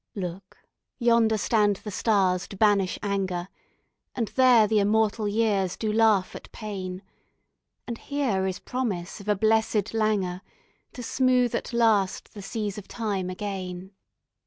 Look, yonder stand the stars to banish anger, And there the immortal years do laugh at pain, And here is promise of a blessed languor To smooth at last the seas of time again.